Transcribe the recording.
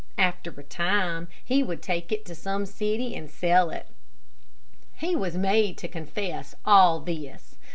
After a time he would take it to some city and sell it. He was made to confess all this.